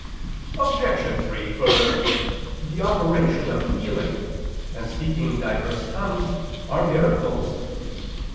Obj. 3: Further, the operation of healing, and speaking divers tongues are miracles.